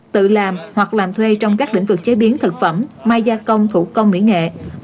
tự làm hoặc làm thuê trong các lĩnh vực chế biến thực phẩm mai gia công thủ công mỹ nghệ